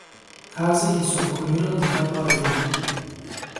Тарзи ҳисобкуниро дида бароед.